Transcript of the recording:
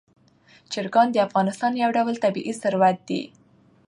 چرګان د افغانستان یو ډول طبعي ثروت دی.